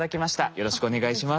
よろしくお願いします。